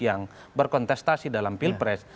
yang berkontestasi dalam pilpres